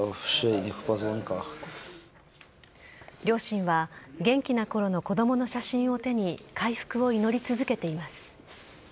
両親は、元気なころの子どもの写真を手に、回復を祈り続けています。